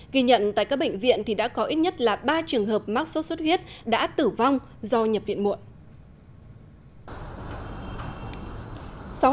ghi nhận tại các bệnh viện thì đã có ít nhất là ba trường hợp mắc sốt xuất huyết đã tử vong do nhập viện muộn